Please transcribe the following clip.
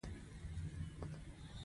ځواک د ټولنې د دوام او پرمختګ ضامن دی.